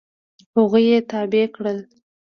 هغوی یې تابع کړل.